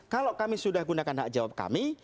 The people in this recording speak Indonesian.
kalau kami sudah gunakan hak jawab kami